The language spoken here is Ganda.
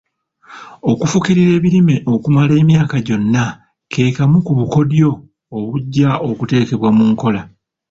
Okufukirira ebirime okumala emyaka gyonna ke kamu ku bukodyo obujja okuteekebwa mu nkola.